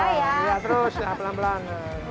iya terus ya pelan pelan